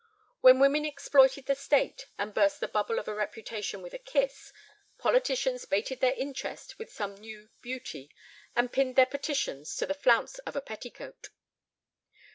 When women exploited the state, and burst the bubble of a reputation with a kiss, politicians baited their interests with some new "beauty," and pinned their petitions to the flounce of a petticoat.